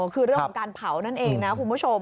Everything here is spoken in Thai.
คือเรื่องของการเผานั่นเองนะคุณผู้ชม